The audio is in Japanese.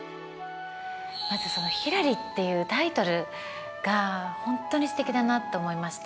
まずその「ひらり」っていうタイトルが本当にすてきだなと思いました。